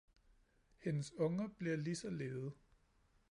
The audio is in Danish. Hendes unger bliver lige så lede